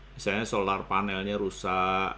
misalnya solar panelnya rusak